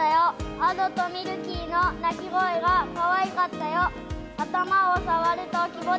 アドとミルキーの鳴き声がかわいかったよ。